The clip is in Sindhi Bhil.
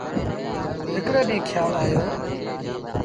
هڪڙي ڏيٚݩهݩ کيآل آيو۔